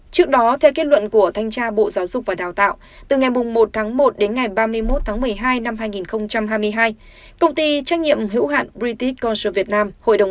trước đó theo kết luận của thanh tra bộ giáo dục và đào tạo từ ngày một một ba mươi một một mươi hai hai nghìn hai mươi hai công ty trách nhiệm hiếu hạn british cultural vietnam